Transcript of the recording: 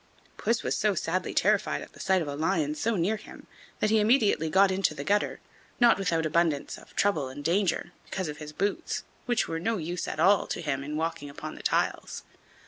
Puss was so sadly terrified at the sight of a lion so near him that he immediately got into the gutter, not without abundance of trouble and danger, because of his boots, which were of no use at all to him in walking upon the tiles.